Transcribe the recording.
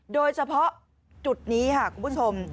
โดยเฉพาะจุดนี้ค่ะคุณผู้ชม